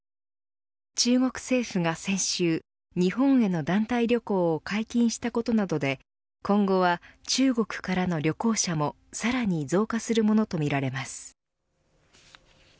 中国政府が先週日本への団体旅行を解禁したことなどで今後は、中国からの旅行者もさらに増加するものとみられます。